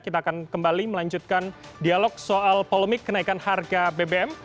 kita akan kembali melanjutkan dialog soal polemik kenaikan harga bbm